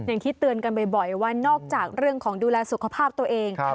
อย่างที่เตือนกันบ่อยว่านอกจากเรื่องของดูแลสุขภาพตัวเอง